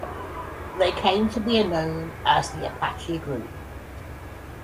They came to be known as the Apache Group.